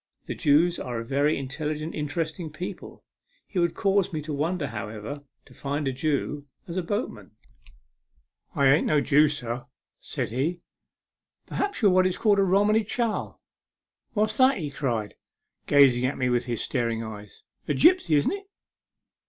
The Jews are a very intelligent, interesting people. It would cause me to wonder, however, to find a Jew a boat man." A MEMORABLE SWIM. 65 " I ain't no Jew, sir," said he. " Perhaps you are what is called a Romany Chal?" " What's that ?" he cried, gazing at me with his staring eyes. " A gipsy, isn't it